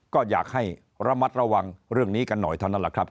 ก็อยากให้ระมัดระวังเรื่องนี้กันหน่อยเท่านั้นแหละครับ